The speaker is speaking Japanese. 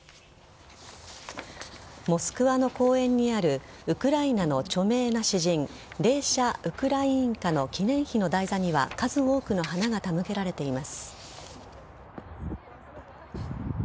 モスクワの公園にあるウクライナの著名な詩人レーシャ・ウクライーンカの記念碑の台座には数多くの花が手向けられています。